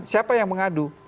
siapa yang mengadu